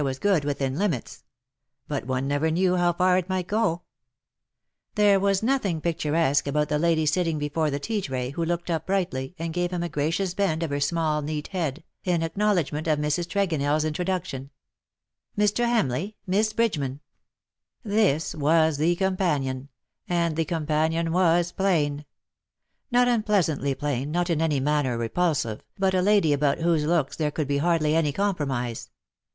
was good, within limits ; but one never knew how far it might go. There was nothing picturesque about the lady sitting before the tea tray, who looked up brightly, and gave him a gracious bend of her small neat head, in acknowledgment of Mrs. TregonelFs in troduction —'' Mr. Hamleigh, Miss Bridgeman V This was the companion — and the companion was plain : not unpleasantly plain, not in any manner repulsive, but a lady about whose looks there could be hardly any compromise.